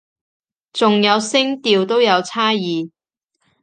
仲有聲調都有差異